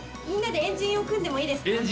みんなで円陣を組んでもいいですか。